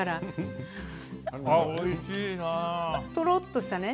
とろっとしてね。